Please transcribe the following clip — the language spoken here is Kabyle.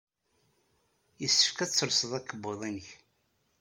Yessefk ad telseḍ akebbuḍ-nnek.